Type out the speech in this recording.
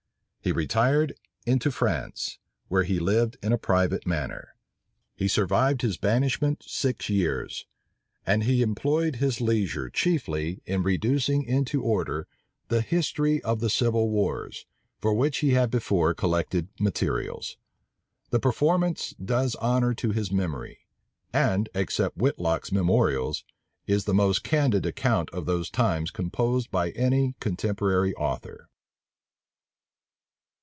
He retired into France, where he lived in a private manner. He survived his banishment six years; and he employed his leisure chiefly in reducing into order the History of the Civil Wars, for which he had before collected materials. The performance does honor to his memory; and, except Whitlocke's Memorials, is the most candid account of those times composed by any contemporary author.